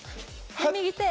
右手。